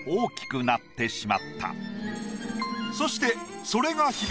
そしてそれが響き